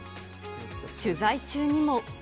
取材中にも。